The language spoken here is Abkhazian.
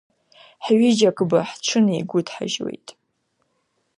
Ҳҩыџьагбы ҳҽынеигуд-ҳажьлеит.